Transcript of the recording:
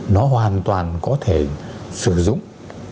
nó hoàn toàn có thể sử dụng